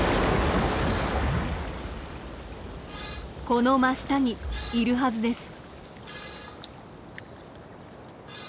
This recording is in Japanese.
この真下にいるはずです。